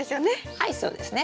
はいそうですね。